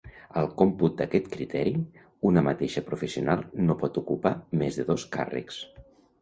Al còmput d'aquest criteri, una mateixa professional no pot ocupar més de dos càrrecs.